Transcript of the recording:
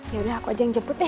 yaudah aku aja yang jemput deh